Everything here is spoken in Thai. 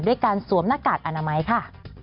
ด้วยการสวมหน้ากากอนามัยค่ะ